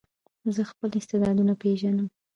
زه خپل استعدادونه پېژنم.